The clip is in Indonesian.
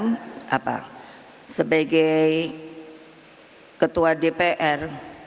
mbak puan sebagai ketua dpr